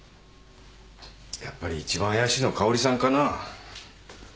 やっぱり一番怪しいの香織さんかな？